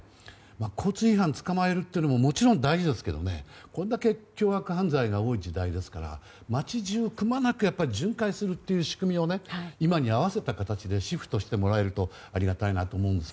交通違反を捕まえるのももちろん大事ですけどこれだけ凶悪犯罪が多い時代ですから街中くまなく巡回する仕組みを今に合わせた形でシフトしてもらえるとありがたいなと思います。